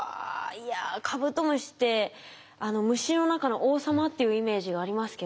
いやカブトムシって虫の中の王様っていうイメージがありますけど